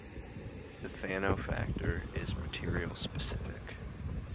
The Fano factor is material specific.